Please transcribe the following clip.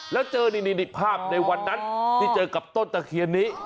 แล้วเจอนี่ภาพในวันนั้นที่เจอกับต้นตะเคียนนี้